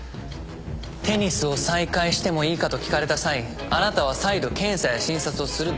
テニスを再開してもいいかと聞かれた際あなたは再度検査や診察をするべきだった。